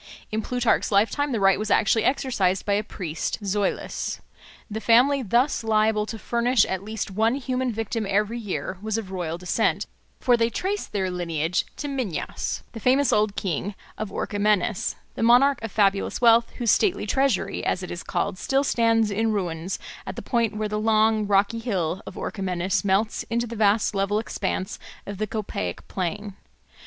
In Plutarch's lifetime the right was actually exercised by a priest Zoilus. The family thus liable to furnish at least one human victim every year was of royal descent, for they traced their lineage to Minyas, the famous old king of Orchomenus, the monarch of fabulous wealth, whose stately treasury, as it is called, still stands in ruins at the point where the long rocky hill of Orchomenus melts into the vast level expanse of the Copaic plain.